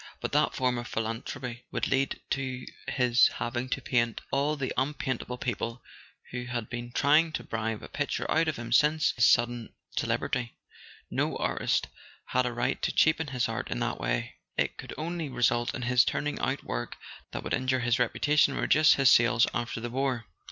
But that form of philanthropy would lead to his having to paint all the unpaintable people who had been trying to bribe a picture out of him since his sudden celebrity. No artist had a right to cheapen his art in that way: it could only result in his turning out work that would injure his reputation and reduce his sales after the war.